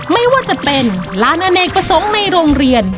ไม่ว่าจะเป็นร้านอเนกประสงค์ในโรงเรียน